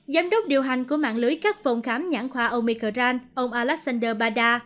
giám đốc điều hành của mạng lưới các phòng khám nhãn khoa omican ông alexander bada